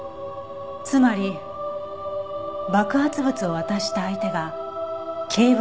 つまり爆発物を渡した相手がケーブルカーの中にいた。